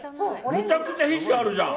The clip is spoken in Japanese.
めちゃくちゃ皮脂あるじゃん！